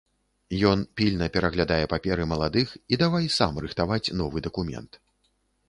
Ён пільна пераглядае паперы маладых і давай сам рыхтаваць новы дакумент.